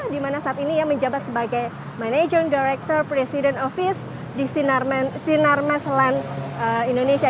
dimana saat ini ia menjabat sebagai manager director president office di sinar masland indonesia